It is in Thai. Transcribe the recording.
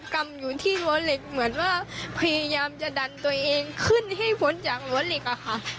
กำอยู่ที่รั้วเหล็กเหมือนว่าพยายามจะดันตัวเองขึ้นให้พ้นจากรั้วเหล็กอะค่ะ